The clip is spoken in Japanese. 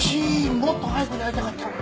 もっと早く出会いたかったな。